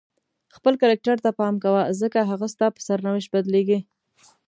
خپل کرکټر ته پام کوه ځکه هغه ستا په سرنوشت بدلیږي.